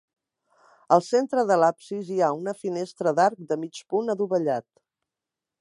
Al centre de l'absis hi ha una finestra d'arc de mig punt adovellat.